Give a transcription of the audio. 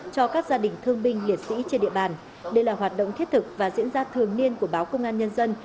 cho các gia đình thương binh liệt sĩ trên địa bàn đây là hoạt động thiết thực và diễn ra thường niên của báo công an nhân dân